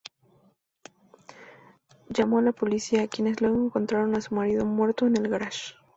Llamó a la policía, quienes luego encontraron a su marido muerto en el garaje.